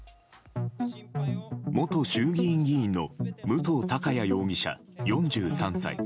元衆議院議員の武藤貴也容疑者、４３歳。